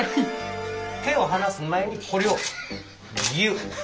手を離す前にこれをぎゅっ。